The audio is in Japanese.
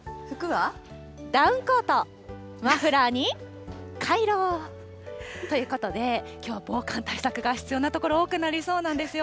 ダウンコート、マフラーにカイロ。ということで、きょう、防寒対策が必要な所、多くなりそうなんですよ。